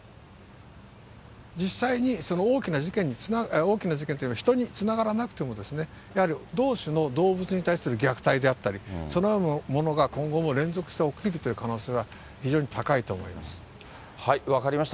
実際にその大きな事件というのは、人につながらなくても、やはり同種の動物に対する虐待であったり、そのようなものが今後も連続して起きるという可能性は、非常に高分かりました。